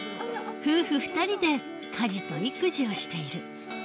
夫婦２人で家事と育児をしている。